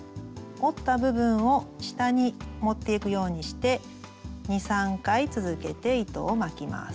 折った部分を下に持っていくようにして２３回続けて糸を巻きます。